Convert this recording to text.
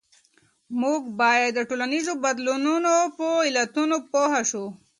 موږ باید د ټولنیزو بدلونونو په علتونو پوه شو.